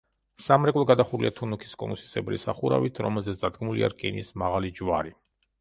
სამრეკლო გადახურულია თუნუქის კონუსისებრი სახურავით, რომელზეც დადგმულია რკინის მაღალი ჯვარი.